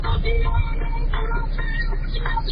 موږ چيري کولای سو خپل پټ استعدادونه په ښه توګه وکاروو؟